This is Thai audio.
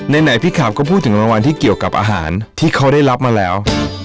ไหนพี่ขาบก็พูดถึงรางวัลที่เกี่ยวกับอาหารที่เขาได้รับมาแล้ว